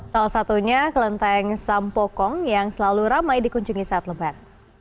salah satunya kelenteng sampokong yang selalu ramai dikunjungi saat lebar